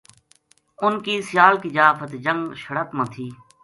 اِنھ کی سیال کی جا فتح جنگ شڑت ما تھی